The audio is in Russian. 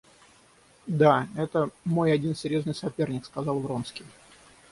Да, это мой один серьезный соперник, — сказал Вронский.